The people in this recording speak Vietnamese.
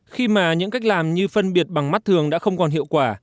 khi mà những cách làm như phân biệt bằng mắt thường đã không còn hiệu quả